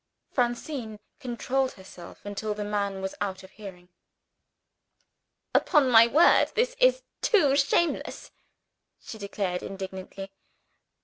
Francine controlled herself until the man was out of hearing. "Upon my word, this is too shameless!" she declared indignantly.